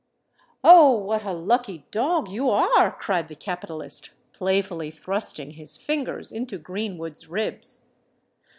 "Oh! what a lucky dog you are," cried the capitalist, playfully thrusting his fingers into Greenwood's ribs.